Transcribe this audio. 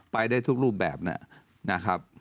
เป็นเรื่องรูปแบบนะครับ